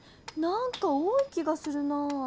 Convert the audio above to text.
なんか多い気がするなぁ。